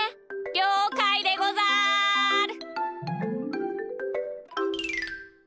りょうかいでござる！